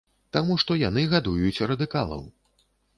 Таму што яны гадуюць радыкалаў.